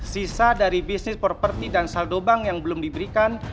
sisa dari bisnis properti dan saldo bank yang belum diberikan